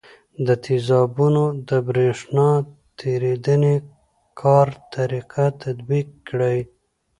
د تیزابونو د برېښنا تیریدنې کار طریقه تطبیق کړئ.